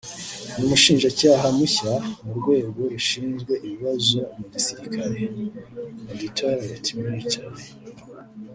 n’Umushinjacyaha mushya mu Rwego Rushinzwe Ibibazo mu Gisirikare (Auditorat Militaire)